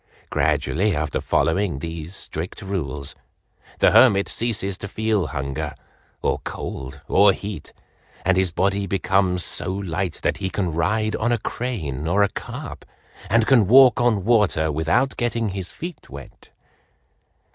Gradually after following these strict rules, the hermit ceases to feel hunger or cold or heat, and his body becomes so light that he can ride on a crane or a carp, and can walk on water without getting his feet wet."